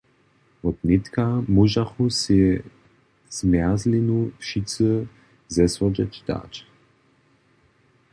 Wotnětka móžachu sej zmjerzlinu wšitcy zesłodźeć dać.